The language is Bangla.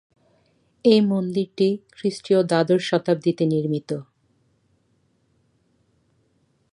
এই মন্দিরটি খ্রিস্টীয় দ্বাদশ শতাব্দীতে নির্মিত।